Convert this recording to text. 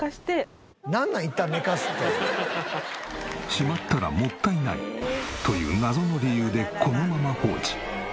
しまったらもったいないという謎の理由でこのまま放置。